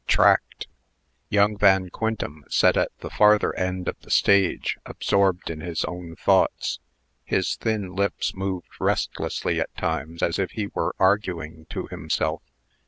TRACKED. Young Van Quintem sat at the farther end of the stage, absorbed in his own thoughts. His thin lips moved restlessly at times, as if he were arguing to himself.